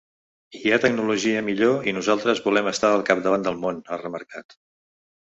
“Hi ha tecnologia millor i nosaltres volem estar al capdavant del món”, ha remarcat.